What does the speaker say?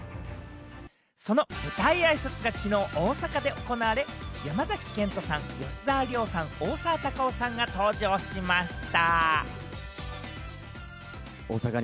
その舞台あいさつがきのう大阪で行われ、山崎賢人さん、吉沢亮さん、大沢たかおさんが登場しました。